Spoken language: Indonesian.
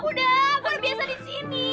udah gue udah biasa di sini